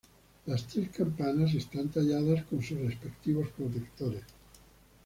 Las tres campanas están talladas con sus respectivos protectores.